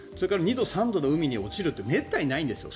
あと、２度、３度の海に落ちるってめったにないですよ。